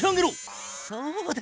そうだ。